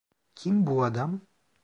Kim bu adam?